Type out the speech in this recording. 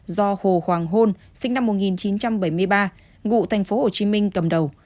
do hồ hoàng hôn sinh năm một nghìn chín trăm bảy mươi ba ngụ thành phố hồ chí minh cầm đầu